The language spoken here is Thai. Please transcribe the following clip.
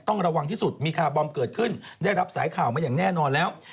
ระวังที่สุดมีคาร์บอมเกิดขึ้นได้รับสายข่าวมาอย่างแน่นอนแล้ว